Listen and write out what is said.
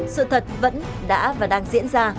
sự thật vẫn đã và đang diễn ra